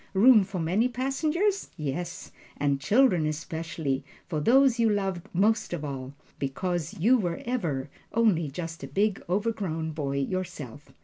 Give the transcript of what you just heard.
Room for many passengers? Yes, and children especially, for these you loved most of all, because you were ever only just a big overgrown boy yourself.